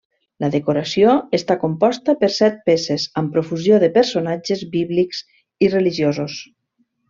La decoració està composta per set peces amb profusió de personatges bíblics i religiosos.